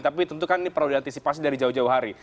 tapi tentu kan ini perlu diantisipasi dari jauh jauh hari